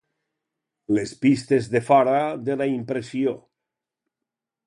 Les pistes de fora de la impressió.